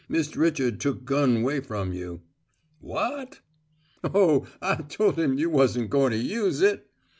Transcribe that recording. Mist' Richard took gun away from you " "What?" "Oh, I tole him you wasn' goin' use it!"